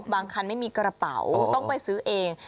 บางคันไม่มีกระเป๋าต้องไปซื้อเอง